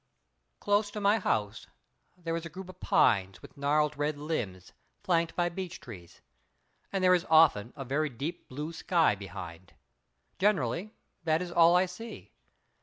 Close to my house there is a group of pines with gnarled red limbs flanked by beech trees. And there is often a very deep blue sky behind. Generally, that is all I see.